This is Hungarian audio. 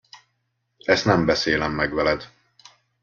Ezt nem beszélem meg veled.